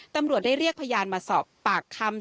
ตำรวจได้เรียกพยานมาสอบปากคำ